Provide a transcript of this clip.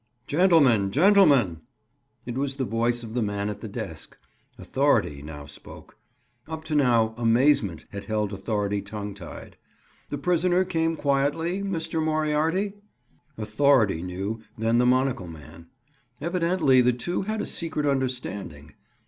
"Gentlemen! Gentlemen!" It was the voice of the man at the desk. Authority now spoke. Up to now, amazement had held authority tongue tied. "The prisoner came quietly, Mr. Moriarity?" Authority knew, then, the monocle man. Evidently the two had a secret understanding.